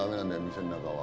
店の中は。